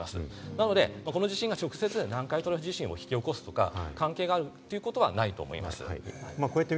なので、この地震が直接、南海トラフ地震を引き起こすとか関係があるということはないと思います。